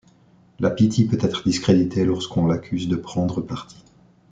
La Pythie peut être discréditée lorsqu'on l'accuse de prendre parti.